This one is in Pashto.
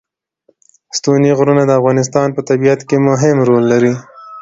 ستوني غرونه د افغانستان په طبیعت کې مهم رول لري.